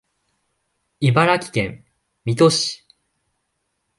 茨城県水戸市